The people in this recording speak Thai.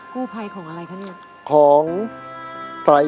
คู่ภัยของอะไรคะเนี่ย